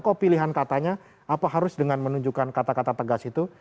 kok pilihan katanya apa harus dengan menunjukkan kata kata tegas itu